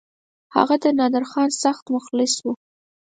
هغه د نادرخان سخت مخلص وو.